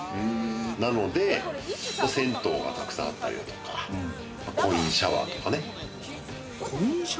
なので、銭湯が沢山あったりだとかコインシャワーとかね。